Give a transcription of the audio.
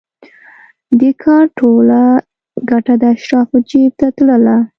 د کار ټوله ګټه د اشرافو جېب ته تلله.